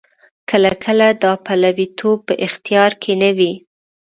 کله کله دا پلویتوب په اختیار کې نه وي.